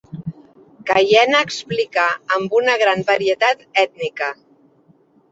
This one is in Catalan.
Caiena explica amb una gran varietat ètnica.